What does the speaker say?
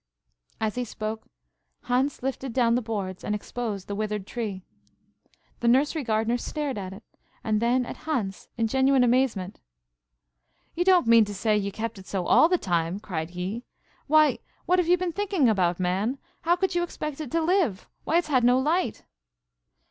As he spoke, Hans lifted down the boards, and exposed the withered tree. The nursery gardener stared at it, and then at Hans, in genuine amazement. "You don't mean to say you ye kept it so all the time?" cried he. "Why, what have you been thinking about, man? How could you expect it to live? Why, it's had no light!"